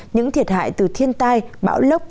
những thiệt hại từ thiên tai bão lốc